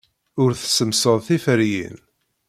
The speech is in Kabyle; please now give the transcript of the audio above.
Ur tessemsed tiferyin.